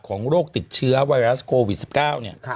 โรคติดเชื้อไวรัสโควิด๑๙เนี่ย